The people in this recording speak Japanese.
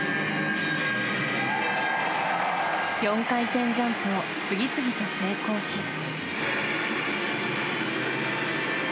４回転ジャンプを次々と成功し。